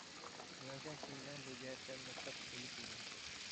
مېنىڭچە، شىنجاڭ بۇ جەھەتتە مۇتلەق ئۈستۈنلۈككە ئىگە.